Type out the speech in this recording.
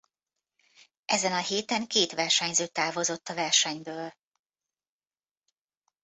Ezen a héten két versenyző távozott a versenyből.